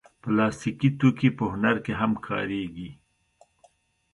پلاستيکي توکي په هنر کې هم کارېږي.